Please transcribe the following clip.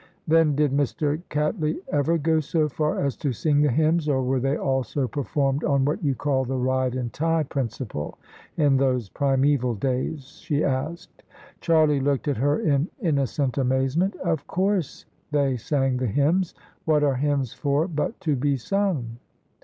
"Then did Mr. Cattley ever go so far as to sing the hymns, or were they also performed on what you call the ride and tie principle in those primaeval days?" she asked. Charlie looked at her in innocent amazement. "Of course they sang the hymns. What are hymns for but to be sung?"